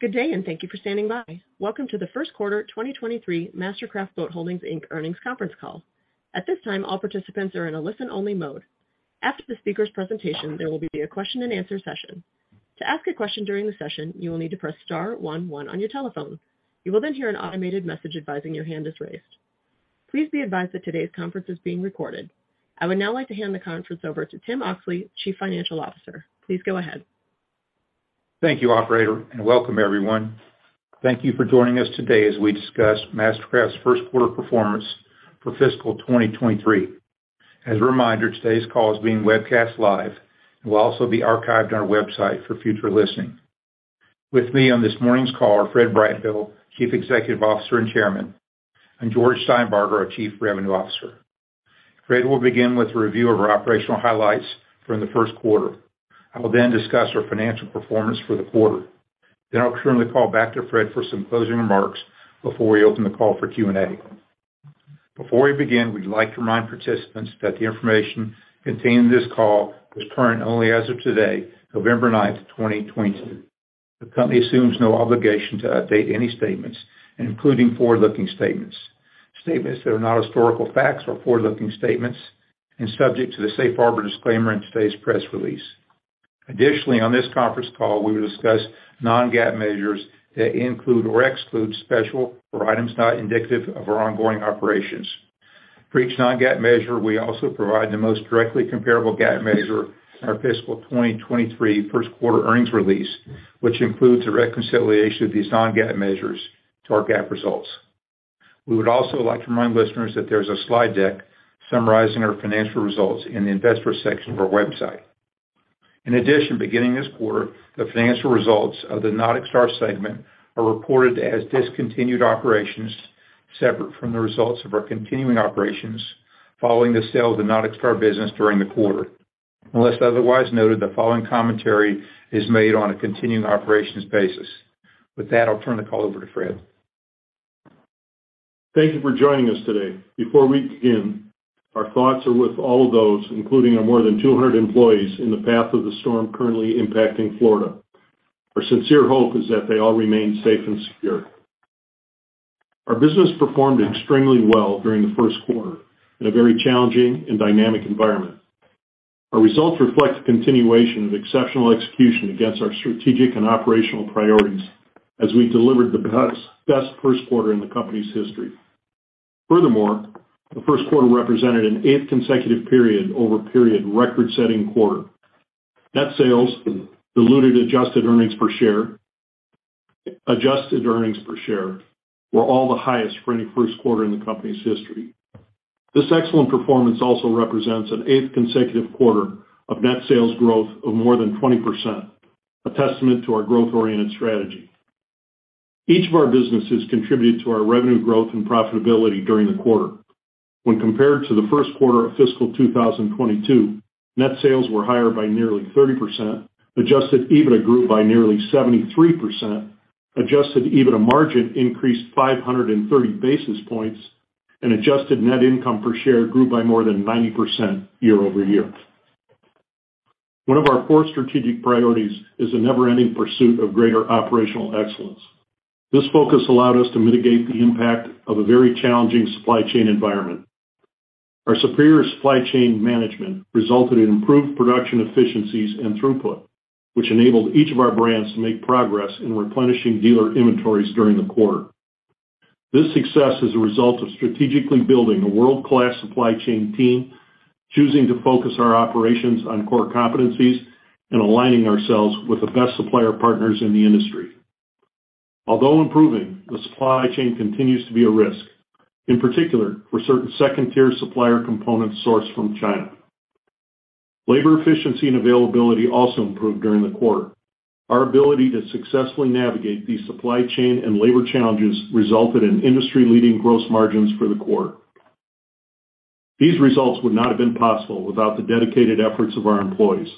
Good day, and thank you for standing by. Welcome to the first quarter 2023 MasterCraft Boat Holdings, Inc. earnings conference call. At this time, all participants are in a listen-only mode. After the speaker's presentation, there will be a question-and-answer session. To ask a question during the session, you will need to press star one one on your telephone. You will then hear an automated message advising your hand is raised. Please be advised that today's conference is being recorded. I would now like to hand the conference over to Tim Oxley, Chief Financial Officer. Please go ahead. Thank you, operator, and welcome everyone. Thank you for joining us today as we discuss MasterCraft's first quarter performance for fiscal 2023. As a reminder, today's call is being webcast live and will also be archived on our website for future listening. With me on this morning's call are Fred Brightbill, Chief Executive Officer and Chairman, and George Steinbarger, our Chief Revenue Officer. Fred will begin with a review of our operational highlights for the first quarter. I will then discuss our financial performance for the quarter. We will then turn the call back to Fred for some closing remarks before we open the call for Q&A. Before we begin, we'd like to remind participants that the information contained in this call is current only as of today, November 9, 2022. The company assumes no obligation to update any statements, including forward-looking statements. Statements that are not historical facts are forward-looking statements and subject to the safe harbor disclaimer in today's press release. Additionally, on this conference call, we will discuss non-GAAP measures that include or exclude special items or items not indicative of our ongoing operations. For each non-GAAP measure, we also provide the most directly comparable GAAP measure in our fiscal 2023 first quarter earnings release, which includes a reconciliation of these non-GAAP measures to our GAAP results. We would also like to remind listeners that there's a slide deck summarizing our financial results in the investor section of our website. In addition, beginning this quarter, the financial results of the NauticStar segment are reported as discontinued operations separate from the results of our continuing operations following the sale of the NauticStar business during the quarter. Unless otherwise noted, the following commentary is made on a continuing operations basis. With that, I'll turn the call over to Fred. Thank you for joining us today. Before we begin, our thoughts are with all of those, including our more than 200 employees, in the path of the storm currently impacting Florida. Our sincere hope is that they all remain safe and secure. Our business performed extremely well during the first quarter in a very challenging and dynamic environment. Our results reflect a continuation of exceptional execution against our strategic and operational priorities as we delivered the best first quarter in the company's history. Furthermore, the first quarter represented an eighth consecutive period-over-period record-setting quarter. Net sales, diluted adjusted earnings per share, adjusted earnings per share were all the highest for any first quarter in the company's history. This excellent performance also represents an eighth consecutive quarter of net sales growth of more than 20%, a testament to our growth-oriented strategy. Each of our businesses contributed to our revenue growth and profitability during the quarter. When compared to the first quarter of fiscal 2022, net sales were higher by nearly 30%, Adjusted EBITDA grew by nearly 73%, Adjusted EBITDA margin increased 530 basis points, and adjusted net income per share grew by more than 90% year-over-year. One of our core strategic priorities is a never-ending pursuit of greater operational excellence. This focus allowed us to mitigate the impact of a very challenging supply chain environment. Our superior supply chain management resulted in improved production efficiencies and throughput, which enabled each of our brands to make progress in replenishing dealer inventories during the quarter. This success is a result of strategically building a world-class supply chain team, choosing to focus our operations on core competencies and aligning ourselves with the best supplier partners in the industry. Although improving, the supply chain continues to be a risk, in particular for certain second-tier supplier components sourced from China. Labor efficiency and availability also improved during the quarter. Our ability to successfully navigate these supply chain and labor challenges resulted in industry-leading gross margins for the quarter. These results would not have been possible without the dedicated efforts of our employees.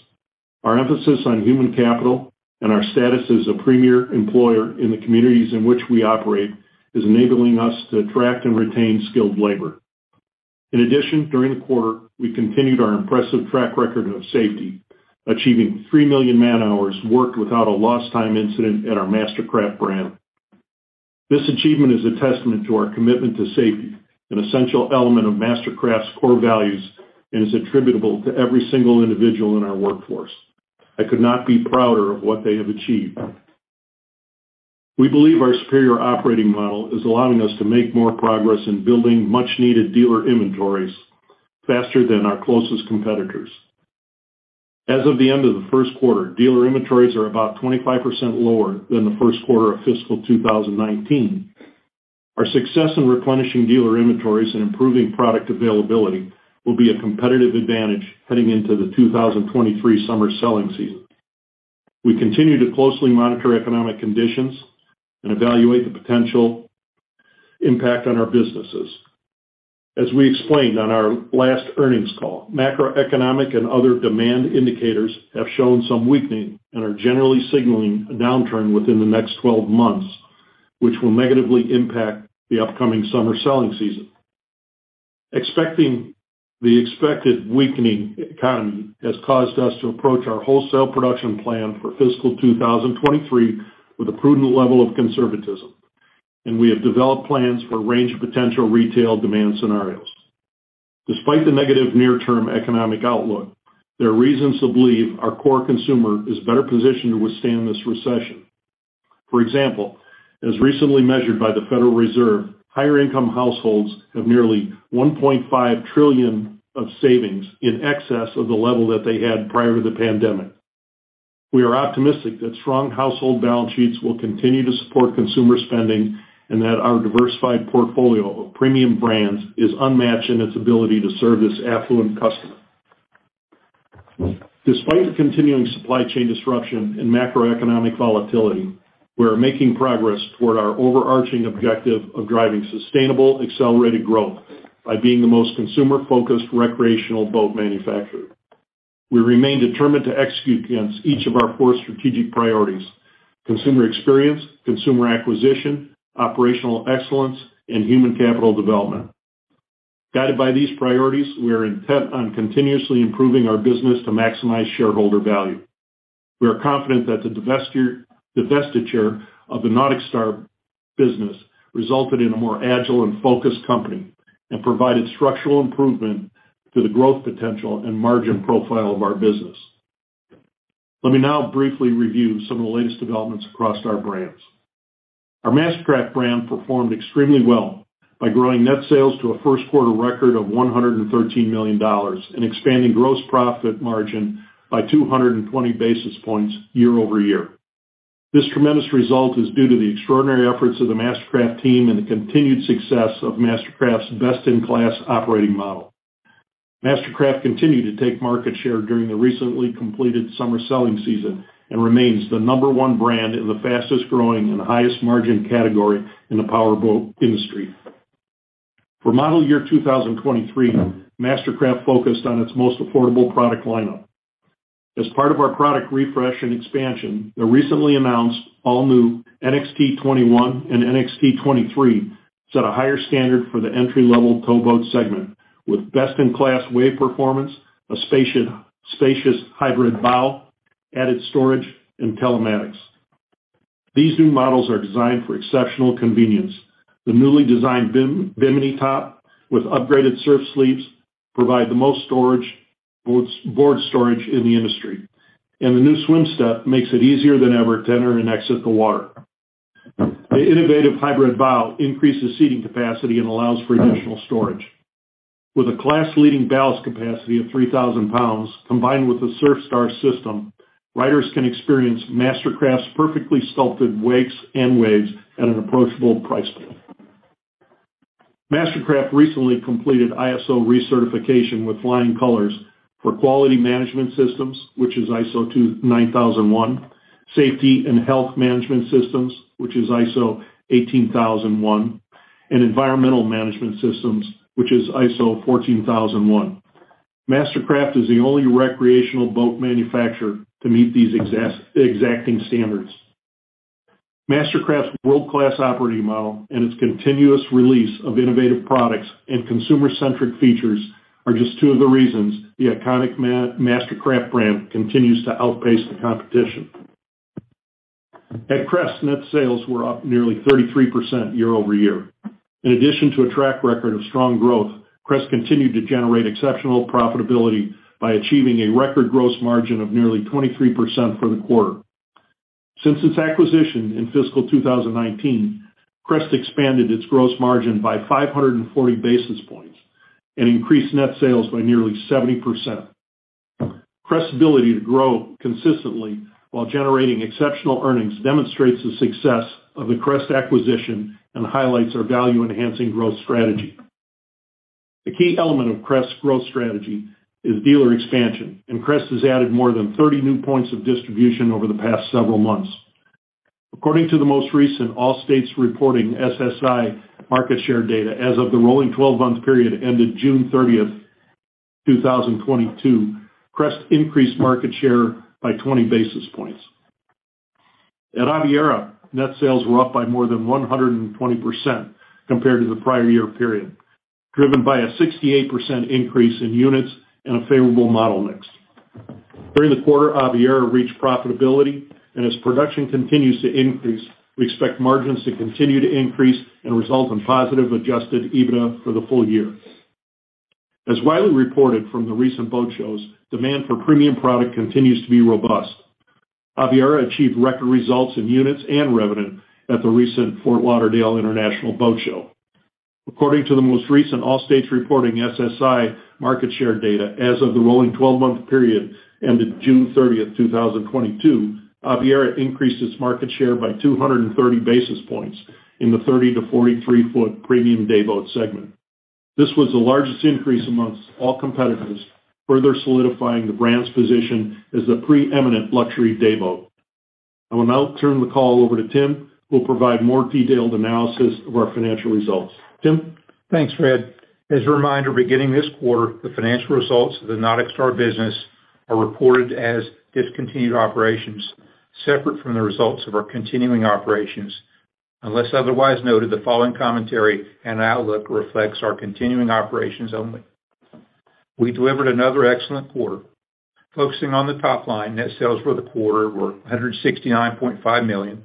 Our emphasis on human capital and our status as a premier employer in the communities in which we operate is enabling us to attract and retain skilled labor. In addition, during the quarter, we continued our impressive track record of safety, achieving 3 million man hours worked without a lost time incident at our MasterCraft brand. This achievement is a testament to our commitment to safety, an essential element of MasterCraft's core values, and is attributable to every single individual in our workforce. I could not be prouder of what they have achieved. We believe our superior operating model is allowing us to make more progress in building much-needed dealer inventories faster than our closest competitors. As of the end of the first quarter, dealer inventories are about 25% lower than the first quarter of fiscal 2019. Our success in replenishing dealer inventories and improving product availability will be a competitive advantage heading into the 2023 summer selling season. We continue to closely monitor economic conditions and evaluate the potential impact on our businesses. As we explained on our last earnings call, macroeconomic and other demand indicators have shown some weakening and are generally signaling a downturn within the next 12 months, which will negatively impact the upcoming summer selling season. The expected weakening economy has caused us to approach our wholesale production plan for fiscal 2023 with a prudent level of conservatism, and we have developed plans for a range of potential retail demand scenarios. Despite the negative near-term economic outlook, there are reasons to believe our core consumer is better positioned to withstand this recession. For example, as recently measured by the Federal Reserve, higher income households have nearly 1.5 trillion of savings in excess of the level that they had prior to the pandemic. We are optimistic that strong household balance sheets will continue to support consumer spending and that our diversified portfolio of premium brands is unmatched in its ability to serve this affluent customer. Despite the continuing supply chain disruption and macroeconomic volatility, we are making progress toward our overarching objective of driving sustainable, accelerated growth by being the most consumer-focused recreational boat manufacturer. We remain determined to execute against each of our four strategic priorities, consumer experience, consumer acquisition, operational excellence, and human capital development. Guided by these priorities, we are intent on continuously improving our business to maximize shareholder value. We are confident that the divestiture of the NauticStar business resulted in a more agile and focused company and provided structural improvement to the growth potential and margin profile of our business. Let me now briefly review some of the latest developments across our brands. Our MasterCraft brand performed extremely well by growing net sales to a first quarter record of $113 million and expanding gross profit margin by 220 basis points year-over-year. This tremendous result is due to the extraordinary efforts of the MasterCraft team and the continued success of MasterCraft's best-in-class operating model. MasterCraft continued to take market share during the recently completed summer selling season and remains the number one brand in the fastest-growing and highest margin category in the powerboat industry. For model year 2023, MasterCraft focused on its most affordable product lineup. As part of our product refresh and expansion, the recently announced all-new NXT21 and NXT23 set a higher standard for the entry-level towboat segment with best-in-class wave performance, a spacious hybrid bow, added storage, and telematics. These new models are designed for exceptional convenience. The newly designed bimini top with upgraded surf sleeves provide the most storage, board storage in the industry. The new swim step makes it easier than ever to enter and exit the water. The innovative hybrid bow increases seating capacity and allows for additional storage. With a class-leading ballast capacity of 3,000 pounds, combined with the SurfStar system, riders can experience MasterCraft's perfectly sculpted wakes and waves at an approachable price point. MasterCraft recently completed ISO recertification with flying colors for Quality Management Systems, which is ISO 9001, Safety and Health Management Systems, which is ISO 18001, and Environmental Management Systems, which is ISO 14001. MasterCraft is the only recreational boat manufacturer to meet these exacting standards. MasterCraft's world-class operating model and its continuous release of innovative products and consumer-centric features are just two of the reasons the iconic MasterCraft brand continues to outpace the competition. At Crest, net sales were up nearly 33% year-over-year. In addition to a track record of strong growth, Crest continued to generate exceptional profitability by achieving a record gross margin of nearly 23% for the quarter. Since its acquisition in fiscal 2019, Crest expanded its gross margin by 540 basis points and increased net sales by nearly 70%. Crest's ability to grow consistently while generating exceptional earnings demonstrates the success of the Crest acquisition and highlights our value-enhancing growth strategy. The key element of Crest's growth strategy is dealer expansion, and Crest has added more than 30 new points of distribution over the past several months. According to the most recent all states reporting SSI market share data as of the rolling twelve-month period ended June 30, 2022, Crest increased market share by 20 basis points. At Aviara, net sales were up by more than 120% compared to the prior year period, driven by a 68% increase in units and a favorable model mix. During the quarter, Aviara reached profitability, and as production continues to increase, we expect margins to continue to increase and result in positive Adjusted EBITDA for the full year. As widely reported from the recent boat shows, demand for premium product continues to be robust. Aviara achieved record results in units and revenue at the recent Fort Lauderdale International Boat Show. According to the most recent all states reporting SSI market share data as of the rolling twelve-month period ended June 30, 2022, Aviara increased its market share by 230 basis points in the 30 to 43-foot premium day boat segment. This was the largest increase among all competitors, further solidifying the brand's position as the preeminent luxury day boat. I will now turn the call over to Tim, who will provide more detailed analysis of our financial results. Tim? Thanks, Fred. As a reminder, beginning this quarter, the financial results of the NauticStar business are reported as discontinued operations separate from the results of our continuing operations. Unless otherwise noted, the following commentary and outlook reflects our continuing operations only. We delivered another excellent quarter. Focusing on the top line, net sales for the quarter were $169.5 million,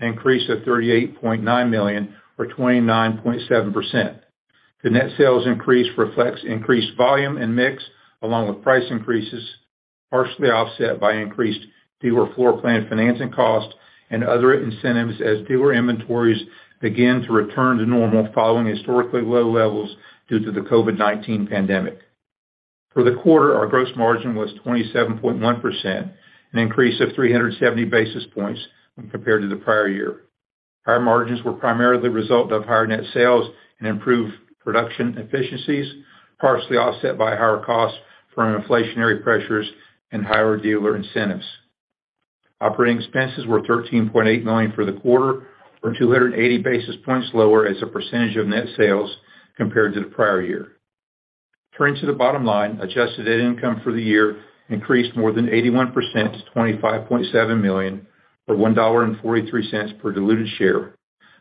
an increase of $38.9 million, or 29.7%. The net sales increase reflects increased volume and mix along with price increases, partially offset by increased dealer floorplan financing costs and other incentives as dealer inventories begin to return to normal following historically low levels due to the COVID-19 pandemic. For the quarter, our gross margin was 27.1%, an increase of 370 basis points when compared to the prior year. Higher margins were primarily the result of higher net sales and improved production efficiencies, partially offset by higher costs from inflationary pressures and higher dealer incentives. Operating expenses were $13.8 million for the quarter, or 280 basis points lower as a percentage of net sales compared to the prior year. Turning to the bottom line, adjusted net income for the year increased more than 81% to $25.7 million, or $1.43 per diluted share,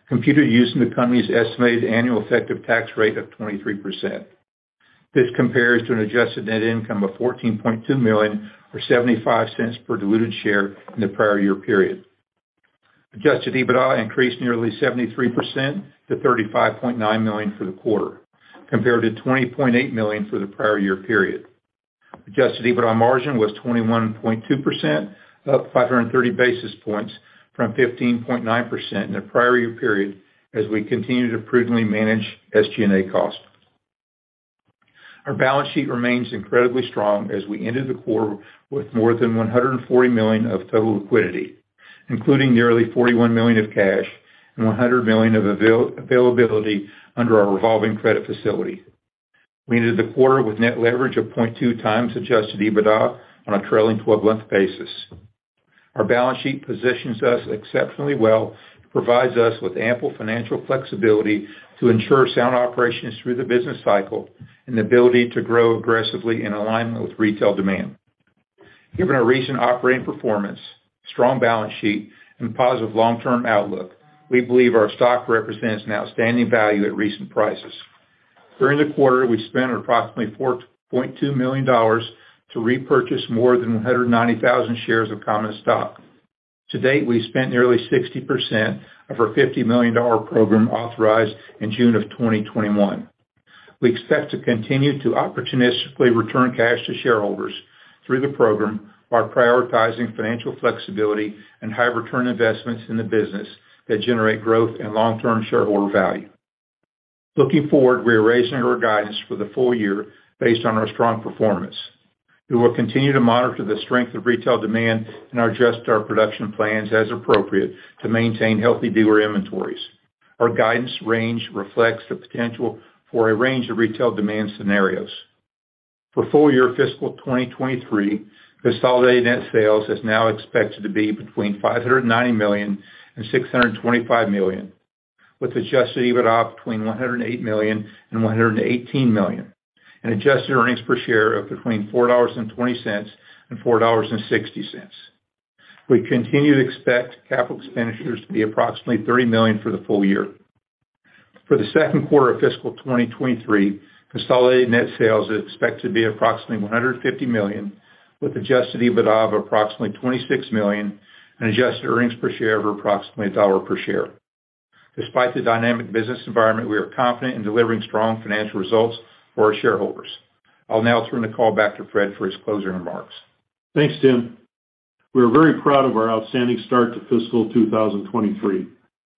computed using the company's estimated annual effective tax rate of 23%. This compares to an adjusted net income of $14.2 million, or $0.75 per diluted share in the prior year period. Adjusted EBITDA increased nearly 73% to $35.9 million for the quarter, compared to $20.8 million for the prior year period. Adjusted EBITDA margin was 21.2%, up 530 basis points from 15.9% in the prior year period as we continue to prudently manage SG&A costs. Our balance sheet remains incredibly strong as we ended the quarter with more than $140 million of total liquidity, including nearly $41 million of cash and $100 million of availability under our revolving credit facility. We ended the quarter with net leverage of 0.2x adjusted EBITDA on a trailing twelve-month basis. Our balance sheet positions us exceptionally well. It provides us with ample financial flexibility to ensure sound operations through the business cycle and the ability to grow aggressively in alignment with retail demand. Given our recent operating performance, strong balance sheet, and positive long-term outlook, we believe our stock represents an outstanding value at recent prices. During the quarter, we spent approximately $4.2 million to repurchase more than 190,000 shares of common stock. To date, we spent nearly 60% of our $50 million program authorized in June of 2021. We expect to continue to opportunistically return cash to shareholders through the program while prioritizing financial flexibility and high return investments in the business that generate growth and long-term shareholder value. Looking forward, we are raising our guidance for the full year based on our strong performance. We will continue to monitor the strength of retail demand and adjust our production plans as appropriate to maintain healthy dealer inventories. Our guidance range reflects the potential for a range of retail demand scenarios. For full-year fiscal 2023, consolidated net sales is now expected to be $590 million-$625 million, with Adjusted EBITDA $108 million-$118 million, and adjusted earnings per share of $4.20-$4.60. We continue to expect capital expenditures to be approximately $30 million for the full year. For the second quarter of fiscal 2023, consolidated net sales is expected to be approximately $150 million, with Adjusted EBITDA of approximately $26 million and adjusted earnings per share of approximately $1 per share. Despite the dynamic business environment, we are confident in delivering strong financial results for our shareholders. I'll now turn the call back to Fred for his closing remarks. Thanks, Tim. We are very proud of our outstanding start to fiscal 2023.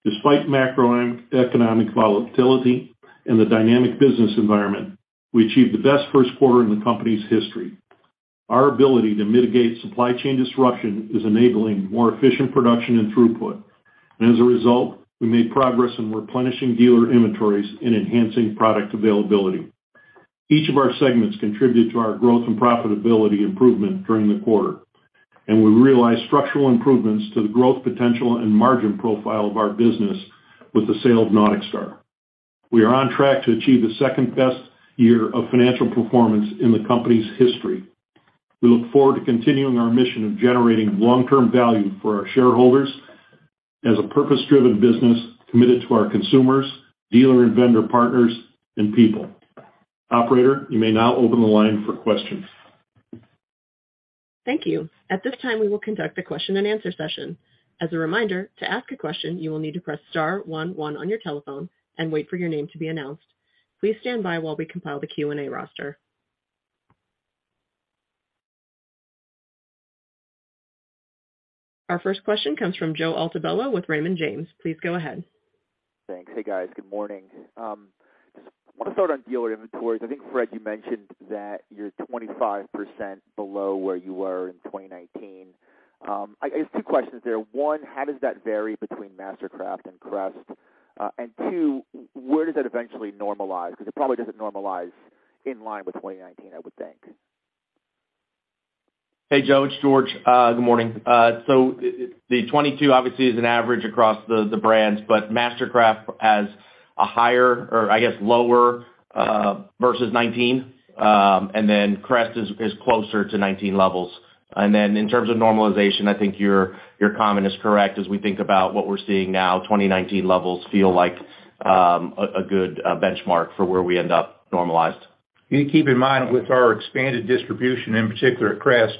Despite macroeconomic volatility and the dynamic business environment, we achieved the best first quarter in the company's history. Our ability to mitigate supply chain disruption is enabling more efficient production and throughput. As a result, we made progress in replenishing dealer inventories and enhancing product availability. Each of our segments contributed to our growth and profitability improvement during the quarter, and we realized structural improvements to the growth potential and margin profile of our business with the sale of NauticStar. We are on track to achieve the second-best year of financial performance in the company's history. We look forward to continuing our mission of generating long-term value for our shareholders as a purpose-driven business committed to our consumers, dealer and vendor partners, and people. Operator, you may now open the line for questions. Thank you. At this time, we will conduct a question-and-answer session. As a reminder, to ask a question, you will need to press star one one on your telephone and wait for your name to be announced. Please stand by while we compile the Q&A roster. Our first question comes from Joe Altobello with Raymond James. Please go ahead. Hey guys, good morning. I want to start on dealer inventories. I think, Fred, you mentioned that you're 25% below where you were in 2019. I have two questions there. One, how does that vary between MasterCraft and Crest? And two, where does that eventually normalize? Because it probably doesn't normalize in line with 2019, I would think. Hey, Joe, it's George. Good morning. The 2022 obviously is an average across the brands, but MasterCraft has a higher or I guess lower versus 2019. Crest is closer to 2019 levels. In terms of normalization, I think your comment is correct. As we think about what we're seeing now, 2019 levels feel like a good benchmark for where we end up normalized. You keep in mind with our expanded distribution, in particular at Crest,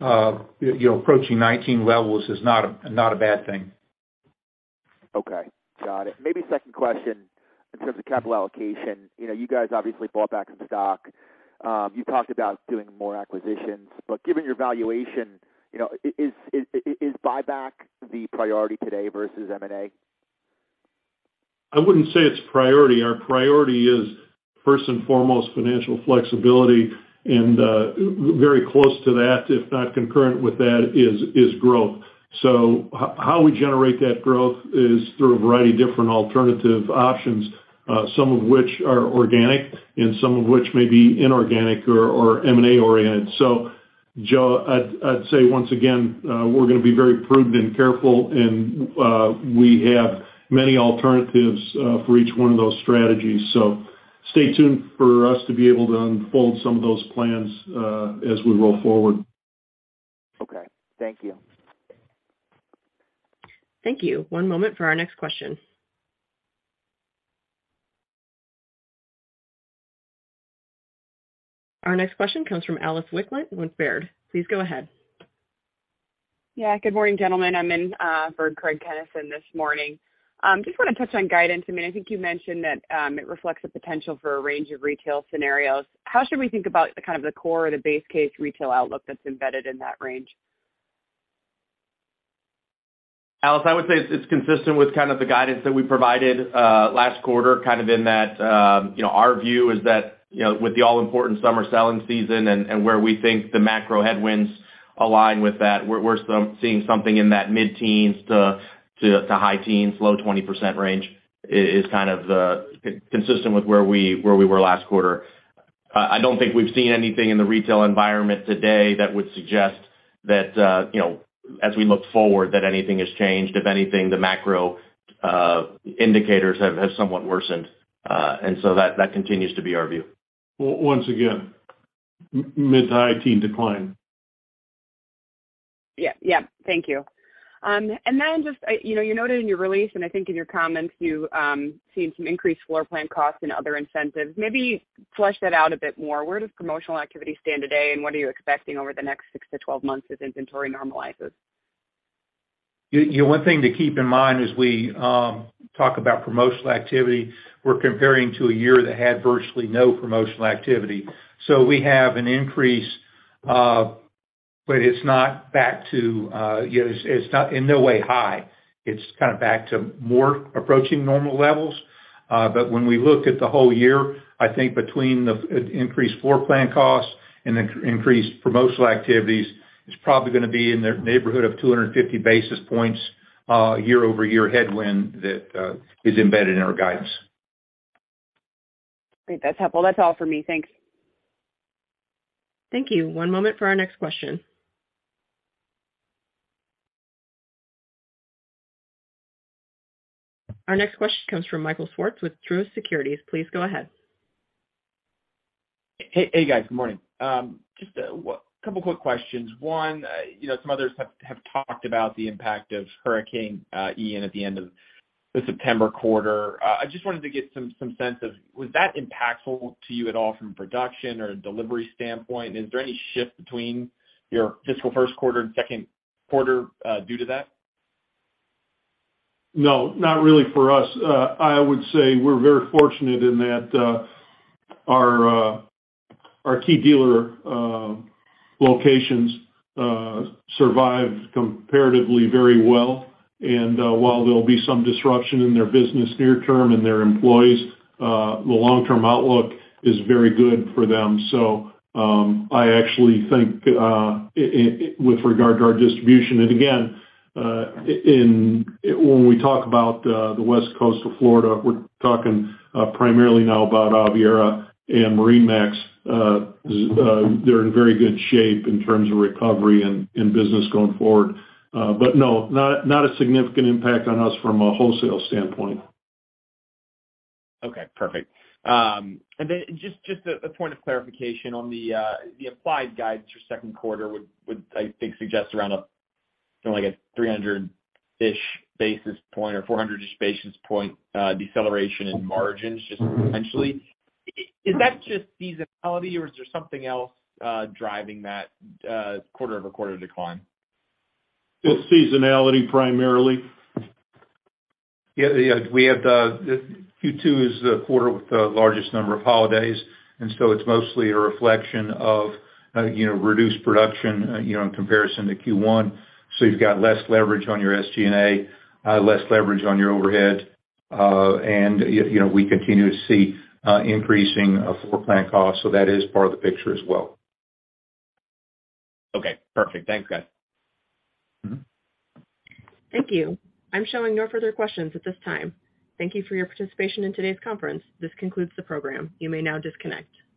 you know, approaching 19 levels is not a bad thing. Okay, got it. Maybe a second question in terms of capital allocation. You know, you guys obviously bought back some stock. You talked about doing more acquisitions, but given your valuation, you know, is buyback the priority today versus M&A? I wouldn't say it's priority. Our priority is first and foremost financial flexibility and very close to that, if not concurrent with that, is growth. How we generate that growth is through a variety of different alternative options, some of which are organic and some of which may be inorganic or M&A oriented. Joe, I'd say once again, we're gonna be very prudent and careful and we have many alternatives for each one of those strategies. Stay tuned for us to be able to unfold some of those plans as we roll forward. Okay. Thank you. Thank you. One moment for our next question. Our next question comes from Anna Glaessgen with Baird. Please go ahead. Yeah, good morning, gentlemen. I'm in for Craig Kennison this morning. Just wanna touch on guidance. I mean, I think you mentioned that it reflects the potential for a range of retail scenarios. How should we think about the kind of the core or the base case retail outlook that's embedded in that range? Anna, I would say it's consistent with kind of the guidance that we provided last quarter, kind of in that you know, our view is that you know, with the all-important summer selling season and where we think the macro headwinds align with that, we're seeing something in that mid-teens to high-teens, low-20% range is kind of consistent with where we were last quarter. I don't think we've seen anything in the retail environment today that would suggest that you know, as we look forward that anything has changed. If anything, the macro indicators have somewhat worsened. That continues to be our view. Once again, mid to high-teens decline. Yeah. Yeah. Thank you. Then just, you know, you noted in your release, and I think in your comments you're seeing some increased floor plan costs and other incentives. Maybe flesh that out a bit more. Where does promotional activity stand today, and what are you expecting over the next six to 12 months as inventory normalizes? You know, one thing to keep in mind as we talk about promotional activity, we're comparing to a year that had virtually no promotional activity. We have an increase, but it's not back to, you know, it's not in no way high. It's kind of back to more approaching normal levels. When we look at the whole year, I think between the increased floor plan costs and increased promotional activities, it's probably gonna be in the neighborhood of 250 basis points, year-over-year headwind that is embedded in our guidance. Great. That's helpful. That's all for me. Thanks. Thank you. One moment for our next question. Our next question comes from Michael Swartz with Truist Securities. Please go ahead. Hey, guys. Good morning. Just a couple quick questions. One, you know, some others have talked about the impact of Hurricane Ian at the end of the September quarter. I just wanted to get some sense of was that impactful to you at all from a production or delivery standpoint? Is there any shift between your fiscal first quarter and second quarter due to that? No, not really for us. I would say we're very fortunate in that our key dealer locations survived comparatively very well. While there'll be some disruption in their business near term and their employees, the long-term outlook is very good for them. I actually think with regard to our distribution, and again, in, when we talk about the West Coast of Florida, we're talking primarily now about Riviera and MarineMax. They're in very good shape in terms of recovery and business going forward. No, not a significant impact on us from a wholesale standpoint. Okay, perfect. Just a point of clarification on the applied guidance for second quarter would, I think, suggest around a like a 300-ish basis point or 400-ish basis point deceleration in margins just potentially. Is that just seasonality or is there something else driving that quarter-over-quarter decline? It's seasonality, primarily. Yeah. Yeah. We have Q2 is the quarter with the largest number of holidays, and so it's mostly a reflection of, you know, reduced production, you know, in comparison to Q1. You've got less leverage on your SG&A, less leverage on your overhead. You know, we continue to see increasing floor plan costs. That is part of the picture as well. Okay, perfect. Thanks, guys. Thank you. I'm showing no further questions at this time. Thank you for your participation in today's conference. This concludes the program. You may now disconnect.